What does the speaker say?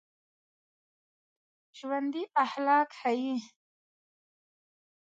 ژوندي اخلاق ښيي